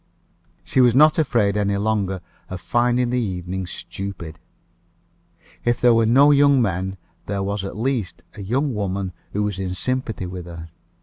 She was not afraid, any longer, of finding the evening stupid. If there were no young men, there was at least a young woman who was in sympathy with her.